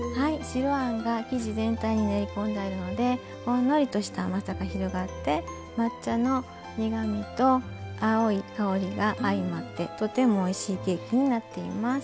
白あんが生地全体に練り込んであるのでほんのりとした甘さが広がって抹茶の苦みと青い香りが相まってとてもおいしいケーキになっています。